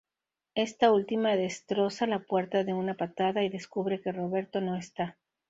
Esta última destroza la puerta de una patada, y descubre que Roberto no está.